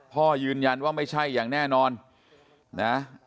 พ่อยืนยันว่าไม่ใช่อย่างแน่นอนนะ